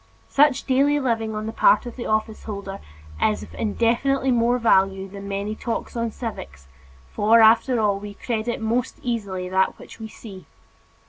Such daily living on the part of the office holder is of infinitely more value than many talks on civics for, after all, we credit most easily that which we see.